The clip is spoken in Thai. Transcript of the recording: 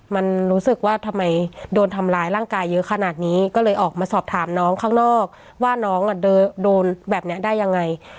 มันรู้สึกว่าทำไมโดนทำร้ายร่างกายเยอะขนาดนี้ก็เลยออกมาสอบถามน้องข้างนอกว่าน้องโดนแบบนี้ได้ยังไง